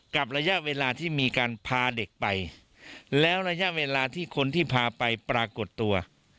กับระยะเวลาที่มีการพาเด็กไปแล้วระยะเวลาที่คนที่พาไปปรากฏตัว